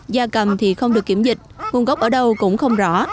gia cầm thì không được kiểm dịch nguồn gốc ở đâu cũng không rõ